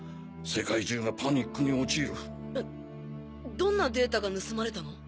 どんなデータが盗まれたの？